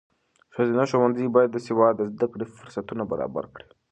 ښځینه ښوونځي باید د سواد د زده کړې فرصتونه برابر کړي.